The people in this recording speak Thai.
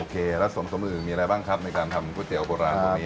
แล้วส่วนสมอื่นมีอะไรบ้างครับในการทำก๋วเตี๋ยโบราณตรงนี้